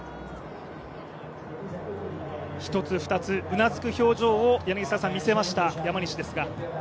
一つ、二つうなずく表情を見せました山西選手ですが。